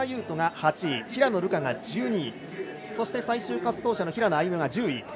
斗が８位平野流佳が１２位そして最終滑走者の平野歩夢が１０位。